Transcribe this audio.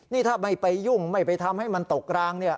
นี่ถ้าไม่ไปยุ่งไม่ไปทำให้มันตกรางเนี่ย